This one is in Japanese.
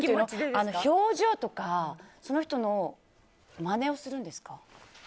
表情とかその人のまねをするんですか。